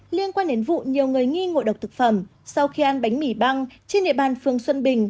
liên quan đến vụ nhiều người nghi ngộ độc thực phẩm sau khi ăn bánh mì băng trên địa bàn phường xuân bình